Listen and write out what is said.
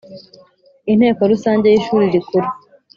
Inteko Rusange y Ishuri Rikuru